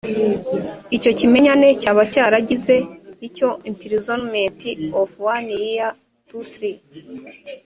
icyo kimenyane cyaba cyaragize icyo imprisonment of one year to three